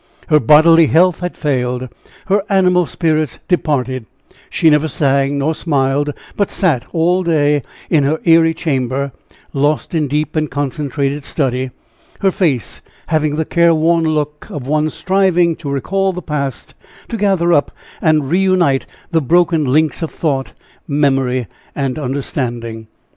Her bodily health had failed, her animal spirits departed; she never sang nor smiled, but sat all day in her eyrie chamber, lost in deep and concentrated study, her face having the care worn look of one striving to recall the past, to gather up and reunite the broken links of thought, memory and understanding.